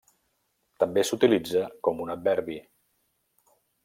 També s'utilitza com un adverbi.